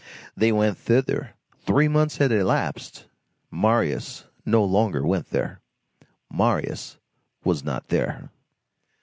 They went thither. Three months had elapsed. Marius no longer went there. Marius was not there.